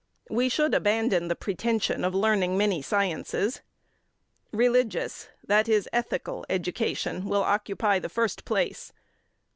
We should abandon the pretension of learning many sciences. Religious, that is ethical, education will occupy the first place.